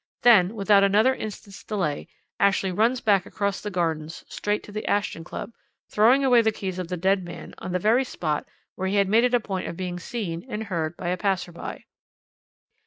Then, without another instant's delay, Ashley runs back across the gardens, straight to the Ashton Club, throwing away the keys of the dead man, on the very spot where he had made it a point of being seen and heard by a passer by.